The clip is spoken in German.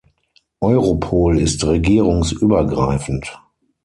Europol ist regierungsübergreifend.